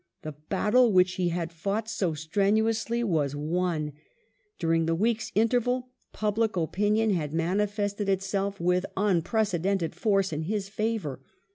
The battle which he had fought so strenuously was won. During the week's interval, public opinion had manifested itself with unpre cedented force in his favour.